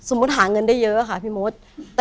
สมมุติหาเงินได้เยอะค่ะพี่มศ